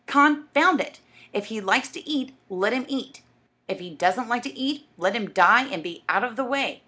Confound it! If he likes to eat, let him eat; if he doesn't like to eat, let him die and be out of the way.